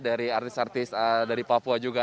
dari artis artis dari papua juga